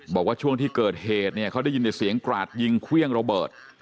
บอกว่าช่วงที่เกิดเหตุเนี่ยเขาได้ยินแต่เสียงกราดยิงเครื่องระเบิด